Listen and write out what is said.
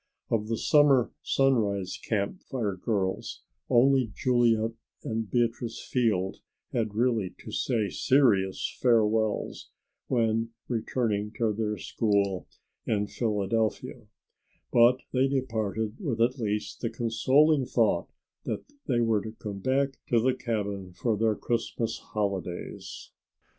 Of the summer Sunrise Camp Fire girls, only Juliet and Beatrice Field had really to say serious farewells when returning to their school in Philadelphia, but they departed with at least the consoling thought that they were to come back to the cabin for their Christmas holidays.